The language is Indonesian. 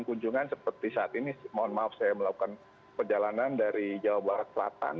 kunjungan seperti saat ini mohon maaf saya melakukan perjalanan dari jawa barat selatan